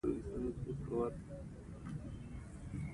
د لارې سرحدونه د خوندي سفر لارښود دي.